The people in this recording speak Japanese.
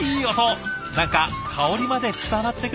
何か香りまで伝わってくる感じ！